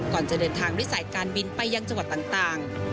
ก่อนจะเดินทางด้วยสายการบินไปยังจังหวัดต่าง